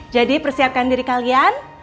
jadi persiapkan diri kalian